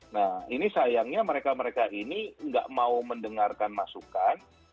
nah ini sayangnya mereka mereka ini nggak mau mendengarkan masukan